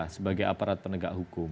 sebagai aparat penegak hukum